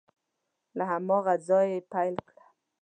له هماغه ځایه یې پیل کړه